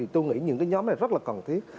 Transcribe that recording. tôi nghĩ những cái nhóm này rất là cần thiết